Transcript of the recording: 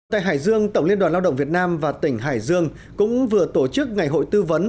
tại hải dương tổng liên đoàn lao động việt nam và tỉnh hải dương cũng vừa tổ chức ngày hội tư vấn